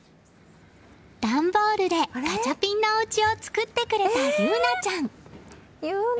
段ボールでガチャピンのおうちを作ってくれた、ゆうなちゃん。